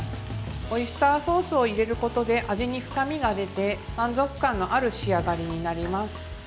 オイスターソースを入れることで味に深みが出て満足感のある仕上がりになります。